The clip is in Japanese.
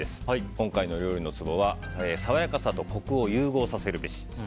今回の料理のツボは爽やかさとコクを融合させるべし。